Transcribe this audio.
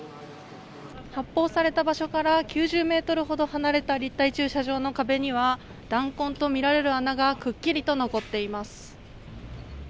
発砲された場所から９０ｍほど離れた立体駐車場の壁には弾痕とみられる穴がくっくりと残っています。